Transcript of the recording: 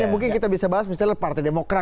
yang mungkin kita bisa bahas misalnya partai demokrat